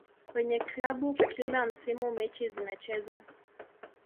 kwenye klabu kila msimu mechi zinachezwa